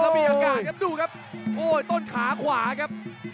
มีอาการครับดูครับโอ้ยต้นขาขวาครับ